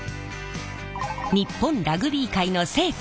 日本ラグビー界の聖地